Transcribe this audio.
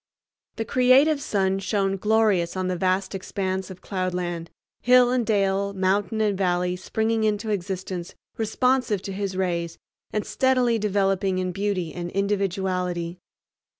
The creative sun shone glorious on the vast expanse of cloudland; hill and dale, mountain and valley springing into existence responsive to his rays and steadily developing in beauty and individuality.